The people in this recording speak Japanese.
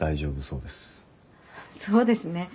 そうですね。